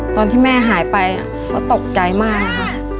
ตอนที่แม่หายไปเขาตกใจมากนะคะ